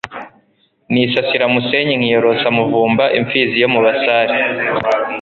Nisasira MusenyiNkiyorosa Muvumba Imfizi yo mu basare.